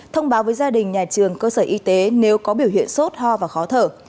thông báo với gia đình nhà trường cơ sở y tế nếu có biểu hiện sốt ho và khó thở